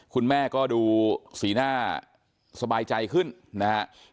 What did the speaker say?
คุณแม่ก็ดูสีหน้าสบายใจขึ้นนะฮะ